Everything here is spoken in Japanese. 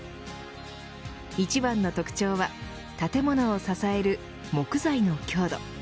一番の特徴は建物を支える木材の強度。